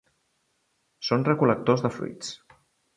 Són recol·lectors de fruits.